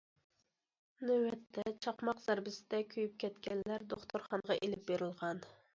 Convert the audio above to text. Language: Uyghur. نۆۋەتتە، چاقماق زەربىسىدە كۆيۈپ كەتكەنلەر دوختۇرخانىغا ئېلىپ بېرىلغان.